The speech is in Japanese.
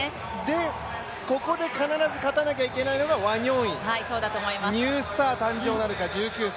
ここで必ず勝たなきゃいけないのがワニョンイ、ニュースター誕生なるか１９歳。